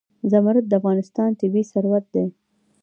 زمرد د افغانستان طبعي ثروت دی.